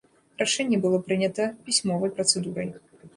Рашэнне было прынята пісьмовай працэдурай.